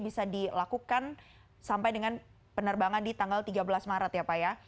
bisa dilakukan sampai dengan penerbangan di tanggal tiga belas maret ya pak ya